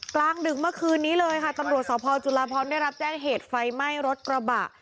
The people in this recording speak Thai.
กลางดึกเมื่อคืนนี้เลยค่ะตำรวจสพจุลาพรได้รับแจ้งเหตุไฟไหม้รถกระบะ